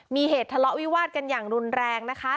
มีเหตุทะเลาะวิวาดกันอย่างรุนแรงนะคะ